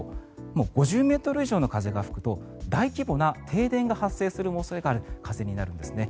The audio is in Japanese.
もう５０ｍ以上の風が吹くと大規模な停電が発生する恐れがある風になるんですね。